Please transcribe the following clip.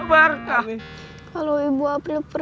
enggak bakalan ada yang ninggalin kamu yuk